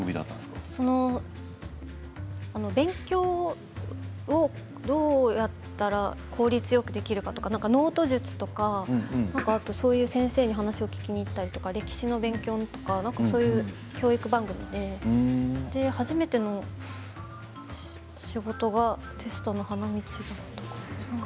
勉強をどうやったら効率よくできるかみたいなノート術みたいなそういう先生に話を聞きに行ったり歴史の勉強とか教育番組で初めての仕事が「テストの花道」。